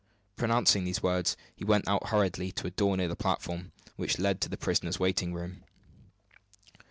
Pronouncing these words, he went out hurriedly by a door near the platform, which led to the prisoners' waiting room.